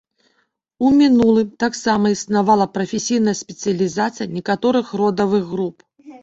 У мінулым таксама існавала прафесійная спецыялізацыя некаторых родавых груп.